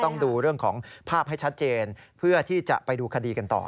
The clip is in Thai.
ต้องดูเรื่องของภาพให้ชัดเจนเพื่อที่จะไปดูคดีกันต่อ